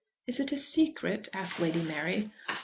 "Is it a secret?" asked Lady Mary.